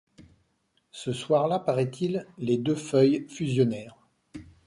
Ce soir-là, paraît-il, les deux feuilles fusionnèrent.